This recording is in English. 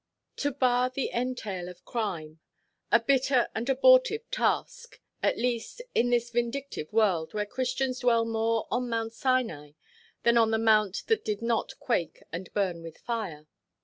To bar the entail of crime. A bitter and abortive task; at least, in this vindictive world, where Christians dwell more on Mount Sinai than on the mount that did not quake and burn with fire.